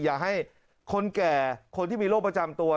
อย่าให้คนแก่คนที่มีโรคประจำตัว